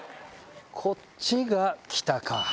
こっちが北か。